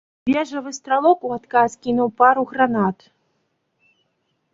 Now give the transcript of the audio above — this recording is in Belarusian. Вежавы стралок у адказ кінуў пару гранат.